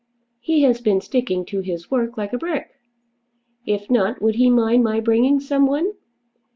He has been sticking to his work like a brick. If not, would he mind my bringing someone?